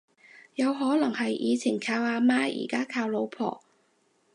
好有可能係以前靠阿媽而家靠老婆